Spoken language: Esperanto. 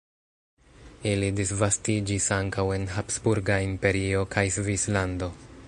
Ili disvastiĝis ankaŭ en Habsburga Imperio kaj Svislando.